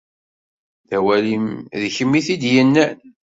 D awal-im, d kemm i t-id-yennan.